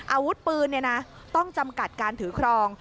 อาวุธปืนต้องจำกัดการถือครอง